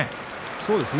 そうですね。